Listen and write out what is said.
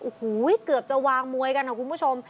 อู้หูเกือบจะวางมวยกันครับคุณผู้ชม